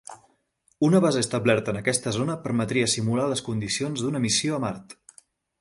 Una base establerta en aquesta zona permetria simular les condicions d'una missió a Mart.